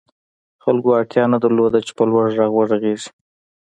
خلکو اړتیا نه درلوده چې په لوړ غږ وغږېږي